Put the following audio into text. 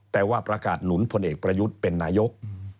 แต่ว่าประกาศหนุนพลเอกประยุทธ์เป็นนายก